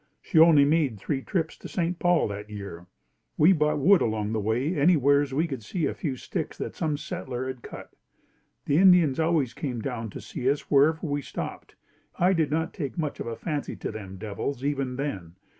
She only made three trips to St. Paul that year. We bought wood along the way, anywheres we could see a few sticks that some settler had cut. The Indians always came down to see us wherever we stopped. I did not take much of a fancy to them devils, even then.